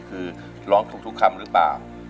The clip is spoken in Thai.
คือร้องถูกทุกคำหรือเปล่า